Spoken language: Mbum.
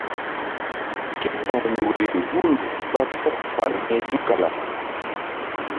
Ké ta̧w nzukri hul ɓa sɔɓ fal hi̧ tukala.